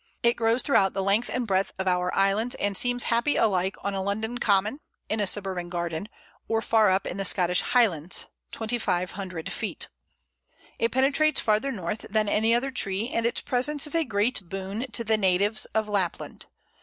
It grows throughout the length and breadth of our islands, and seems happy alike on a London common, in a suburban garden, or far up in the Scottish highlands (2500 feet). It penetrates farther north than any other tree, and its presence is a great boon to the natives of Lapland.